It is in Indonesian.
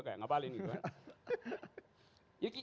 kayak ngapalin gitu ya